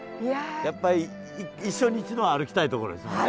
やっぱり一生に一度は歩きたいところですもんね。